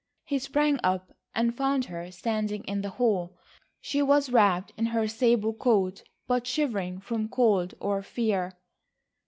He sprang up and found her standing in the hall. She was wrapped in her sable coat, but shivering from cold or fear.